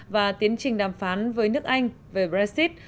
và tiến trình đàm phán với nước anh về brexit